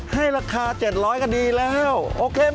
ให้ราคา๗๐๐คดีแล้วโอเค